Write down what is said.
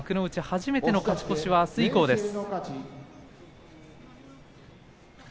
初めての勝ち越しはあす以降です。